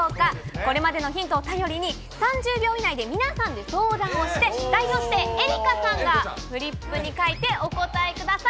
これまでのヒントを頼りに３０秒以内で皆さんで相談をして、代表して愛花ちゃんがフリップに書いてお答えください。